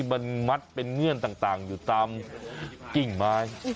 มันมัดเป็นเงื่อนต่างอยู่ตามกิ่งไม้